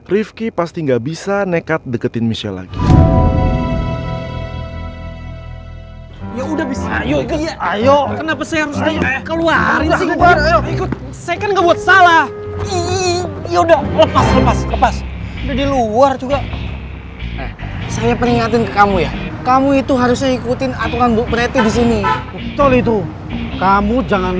rifki pasti gak bisa nekat deketin michelle lagi